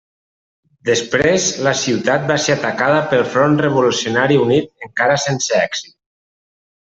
Després la ciutat va ser atacada pel Front Revolucionari Unit encara que sense èxit.